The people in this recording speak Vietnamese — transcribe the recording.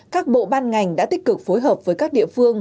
các bộ ban ngành đã tích cực phối hợp với các địa phương